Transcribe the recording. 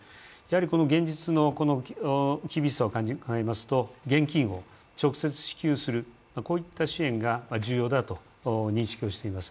この現実の厳しさを考えますと現金を直接支給する、こういった支援が重要だと認識をしています。